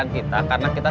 bisa boleh apa